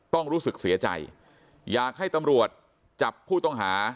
รู้สึกเสียใจอยากให้ตำรวจจับผู้ต้องหา